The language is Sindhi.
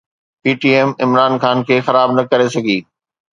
P T M Imran Khan کي خراب نه ڪري سگهي